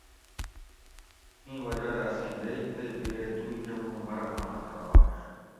اِیں وجاۤ دہ اسیں یئی تے بِرے دُوئی کہ مُو مرگاں خطرہ آش